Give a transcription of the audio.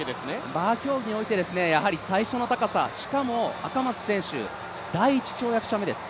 バー競技において最初の高さ、しかも赤松選手、第１跳躍者目です。